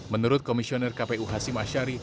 menurut komisioner kpu hasim ashari